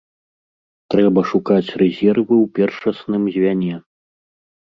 Трэба шукаць рэзервы ў першасным звяне.